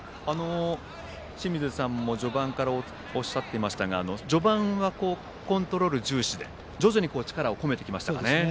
清水さんも序盤からおっしゃっていましたが序盤は、コントロール重視で徐々に力を込めてきましたね。